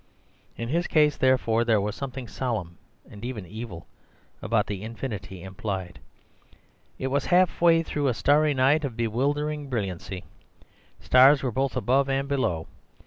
In his case, therefore, there was something solemn, and even evil about the infinity implied. It was half way through a starry night of bewildering brilliancy; stars were both above and below.